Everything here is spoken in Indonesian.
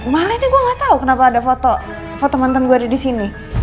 malah ini gue gak tau kenapa ada foto mantan gue disini